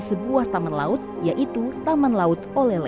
menjaga ini mereka bisa jalan lain